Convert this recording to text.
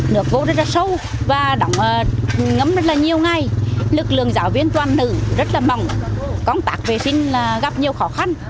nước vô rất là sâu và ngấm rất là nhiều ngày lực lượng giáo viên toàn nữ rất là mỏng công tác vệ sinh gặp nhiều khó khăn